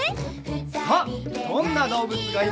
さあどんなどうぶつがいるかな？